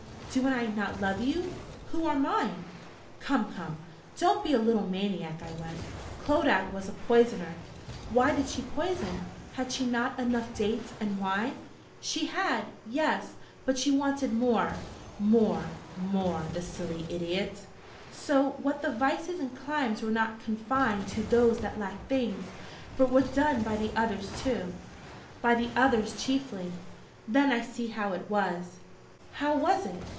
'Do I not love you, who are mine?' 'Come, come, don't be a little maniac!' I went. 'Clodagh was a poisoner....' 'Why did she poison? Had she not enough dates and wine?' 'She had, yes: but she wanted more, more, more, the silly idiot.' 'So that the vices and climes were not confined to those that lacked things, but were done by the others, too?' 'By the others chiefly.' 'Then I see how it was!' 'How was it?'